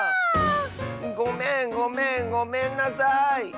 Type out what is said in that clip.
ごめんごめんごめんなさい。